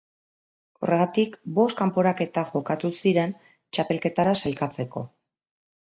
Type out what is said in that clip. Horregatik bost kanporaketa jokatu ziren txapelketara sailkatzeko.